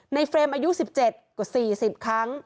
ในเฟรมอายุ๑๗ก็๔๐ครั้ง